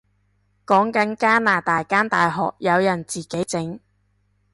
講緊加拿大間大學有人自己整